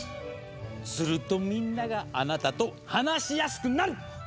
するとみんながあなたと話しやすくなる！